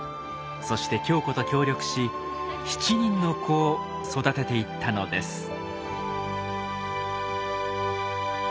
そして鏡子と協力し７人の子を育てていったのです。